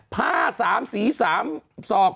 ภาพ๓สี๓สอก